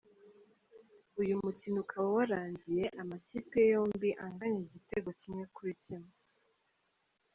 Uyu mukino ukaba warangiye amakipe yombi anganya igitego kimwe kuri kimwe.